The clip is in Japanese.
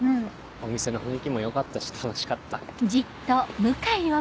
お店の雰囲気も良かったし楽しかった。